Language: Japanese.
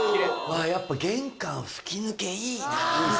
やっぱ玄関吹き抜けいいな。